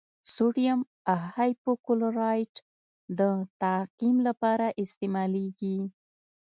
سوډیم هایپوکلورایټ د تعقیم لپاره استعمالیږي.